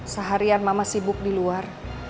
seharian mama sibuk diluar